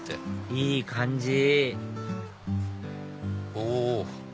いい感じお！